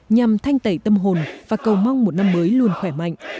nhằm thanh tẩy tâm hồn và cầu mong một năm mới luôn khỏe mạnh